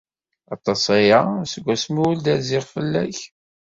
Aṭas aya seg wasmi ur d-rziɣ fell-ak.